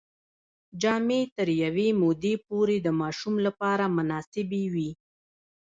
جامې تر یوې مودې پورې د ماشوم لپاره مناسبې وي.